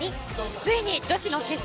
ついに女子決勝